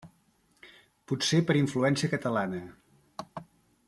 Potser per influència catalana.